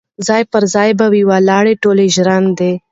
ځاي پر ځای به وي ولاړي ټولي ژرندي